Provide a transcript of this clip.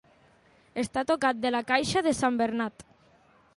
Estar tocat de la caixa de sant Bernat.